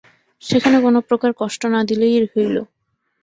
সেখানে কোন প্রকার কষ্ট না দিলেই হইল।